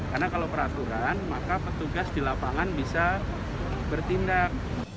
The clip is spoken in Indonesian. karena kalau peraturan maka petugas di lapangan bisa bertindak